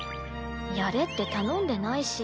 やれって頼んでないし。